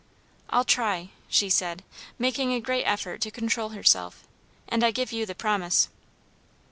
"I'll try," She said, making a great effort to control herself, "and I give you the promise."